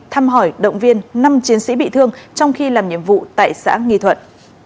thăm hỏi động viên năm chiến sĩ bị thương trong khi làm nhiệm vụ tại xã nghi thuận